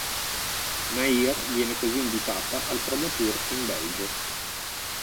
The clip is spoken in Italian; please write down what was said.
Nair viene così invitata al promo-tour in Belgio.